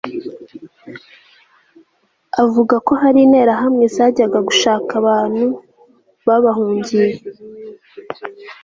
avuga ko hari interahamwe zajyaga gushaka abantu babahungiye